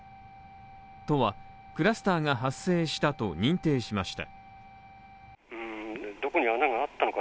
都はクラスターが発生したと認定しました。